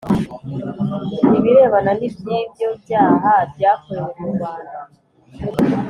ibirebana n' iby ibyo byaha byakorewe mu rwanda